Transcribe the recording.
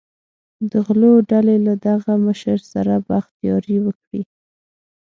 د غلو ډلې له دغه مشر سره بخت یاري وکړي.